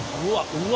うわ。